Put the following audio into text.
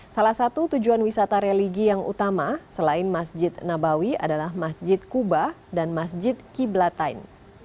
salah satu tujuan wisata religi yang utama selain masjid nabawi adalah masjid kuba dan masjid qiblatain